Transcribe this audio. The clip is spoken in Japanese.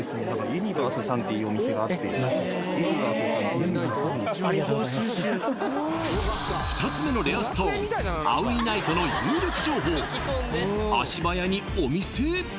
ユニバースさん２つ目のレアストーンアウイナイトの有力情報足早にお店へ！